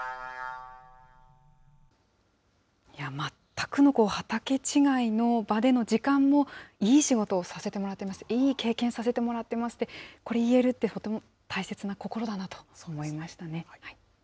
全くの畑違いの場での時間も、いい仕事をさせてもらってます、いい経験させてもらってますって、これいえるって、とても大切な心だなと思いましたね。